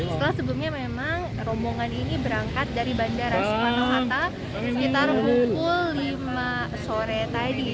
setelah sebelumnya memang rombongan ini berangkat dari bandara soekarno hatta sekitar pukul lima sore tadi